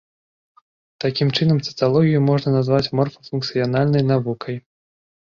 Такім чынам цыталогію можна назваць морфафункцыянальнай навукай.